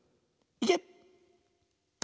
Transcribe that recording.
いけ！